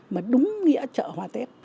mà đúng nghĩa chợ hoa tết